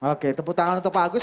oke tepuk tangan untuk pak agus